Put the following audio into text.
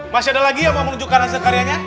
masih ada lagi yang mau menunjukkan hasil karyanya